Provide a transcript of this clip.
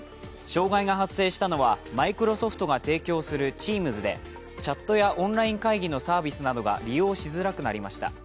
障害が発生したのはマイクロソフトが提供するＴｅａｍｓでチャットやオンライン会議などのサービスが利用しづらくなりました。